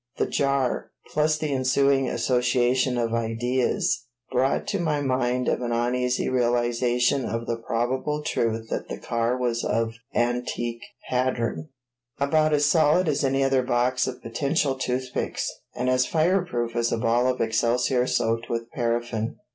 The jar, plus the ensuing association of ideas, brought to my mind an uneasy realization of the probable truth that the car was of antique pattern, about as solid as any other box of potential toothpicks, and as fireproof as a ball of excelsior soaked with paraffin.